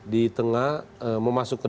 di tengah mau masuk ke